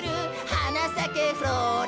「はなさけフローラ」